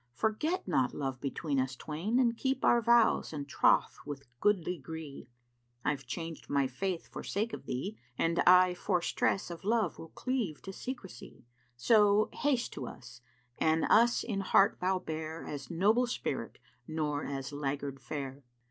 forget not love between us twain * And keep our vows and troth with goodly gree: I've changed my faith for sake of thee, and I * For stress of love will cleave to secrecy: So haste to us, an us in heart thou bear, * As noble spirit, nor as laggard fare."